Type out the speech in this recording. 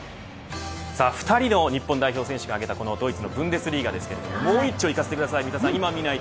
２人の日本代表選手が挙げたドイツのブンデスリーガですがもう一丁いかせてください。